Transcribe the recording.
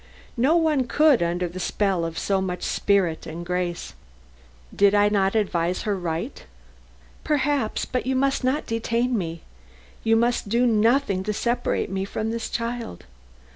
No one could, under the spell of so much spirit and grace. "Did I not advise her right?" "Perhaps, but you must not detain me. You must do nothing to separate me from this child.